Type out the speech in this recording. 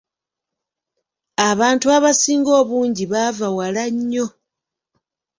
Abantu abasinga obungi baava wala nnyo.